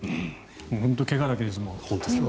本当に怪我だけはね。